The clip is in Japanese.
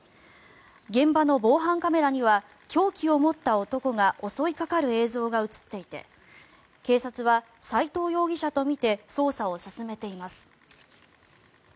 現場の防犯カメラには凶器を持った男が襲いかかる映像が映っていて警察は斎藤容疑者とみて捜査を進めています。